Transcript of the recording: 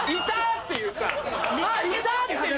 っていう。